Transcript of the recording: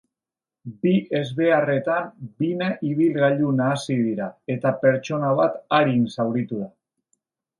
Bi ezbeharretan bina ibilgailu nahasi dira, eta pertsona bat arin zauritu da.